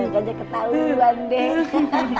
gak ada ketahuan deh